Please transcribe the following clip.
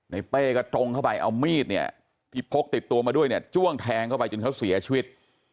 เป้ก็ตรงเข้าไปเอามีดเนี่ยที่พกติดตัวมาด้วยเนี่ยจ้วงแทงเข้าไปจนเขาเสียชีวิต